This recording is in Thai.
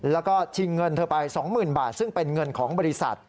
แล้วก็ชิงเงินเธอไป๒๐๐๐บาทซึ่งเป็นเงินของบริษัท